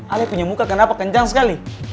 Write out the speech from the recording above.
ale punya muka kenapa kencang sekali